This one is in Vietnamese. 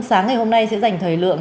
sáng ngày hôm nay sẽ dành thời lượng